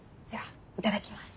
いただきます。